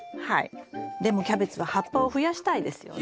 でもキャベツは葉っぱを増やしたいですよね。